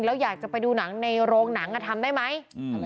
แล้วอยากจะไปดูหนังในโรงหนังทำได้ไหม